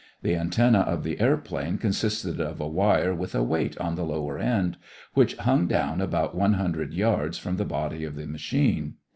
The antenna of the airplane consisted of a wire with a weight on the lower end, which hung down about one hundred yards from the body of the machine.